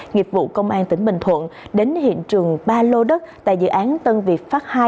nghiệp vụ công an tỉnh bình thuận đến hiện trường ba lô đất tại dự án tân việt pháp hai